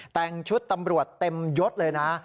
แต่งชุดตำรวจเต็มยดเลยนะ